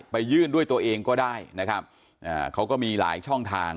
ไปยื่นด้วยตัวเองก็ได้นะครับอ่าเขาก็มีหลายช่องทาง